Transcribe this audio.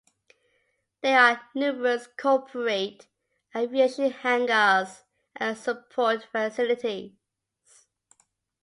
There are numerous corporate aviation hangars and support facilities.